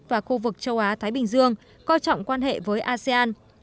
và khu vực châu á thái bình dương coi trọng quan hệ với asean